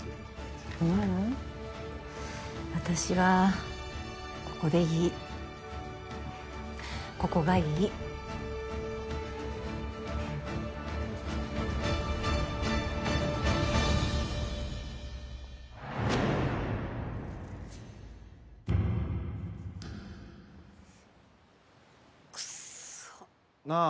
ううん私はここでいいここがいいくっさなあ